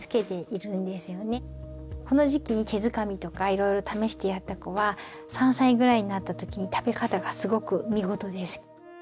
この時期に手づかみとかいろいろ試してやった子は３歳ぐらいになったときに食べ方がすごく見事です。